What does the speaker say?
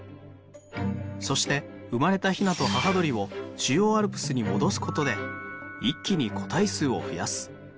そして生まれたひなと母鳥を中央アルプスに戻すことで一気に個体数を増やす。